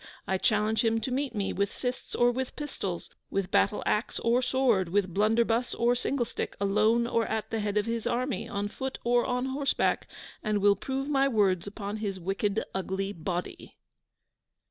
I challenge him to meet me, with fists or with pistols, with battle axe or sword, with blunderbuss or singlestick, alone or at the head of his army, on foot or on horseback; and will prove my words upon his wicked ugly body!